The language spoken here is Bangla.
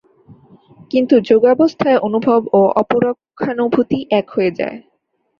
কিন্তু যোগাবস্থায় অনুভব ও অপরোক্ষানুভূতি এক হয়ে যায়।